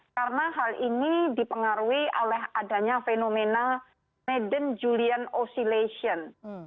karena hal ini dipengaruhi oleh adanya fenomena madden julian oscillation